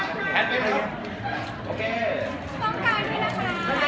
ขอบคุณแม่ก่อนต้องกลางนะครับ